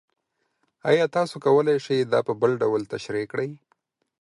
ایا تاسو کولی شئ دا په بل ډول تشریح کړئ؟